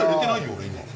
俺、今。